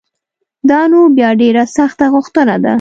دا نو بیا ډېره سخته غوښتنه ده